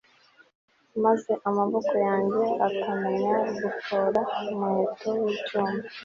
maze amaboko yanjye akamenya gufora umuheto w'icyuma